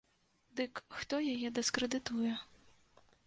Дык хто яе дыскрэдытуе?